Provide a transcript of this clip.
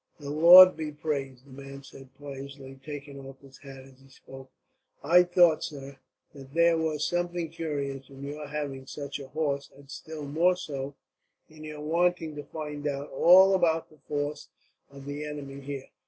"The Lord be praised!" the man said piously, taking off his hat as he spoke. "I thought, sir, that there was something curious in your having such a horse; and still more so, in your wanting to find out all about the force of the enemy here.